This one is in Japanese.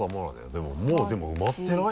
でももうでも埋まってない？